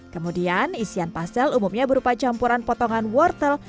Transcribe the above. kemudian isian pasel umumnya berupa campuran potongan wortel